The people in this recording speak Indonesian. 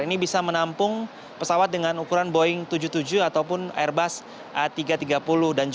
ini bisa menampung pesawat dengan ukuran boeing tujuh puluh tujuh ataupun airbus a tiga ratus tiga puluh